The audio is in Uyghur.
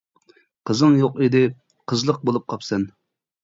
قىزىڭ يوق ئىدى، قىزلىق بولۇپ قاپسەن.